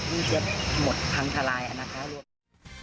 ที่เจี๊ยบหมดพังทะลายอาณาคารว่า